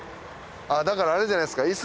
だからあれじゃないですか